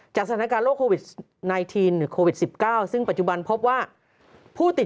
สถานการณ์โควิด๑๙หรือโควิด๑๙ซึ่งปัจจุบันพบว่าผู้ติด